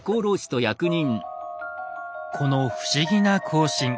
この不思議な行進。